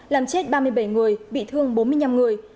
làm chết ba mươi bảy người bị thương bốn mươi năm người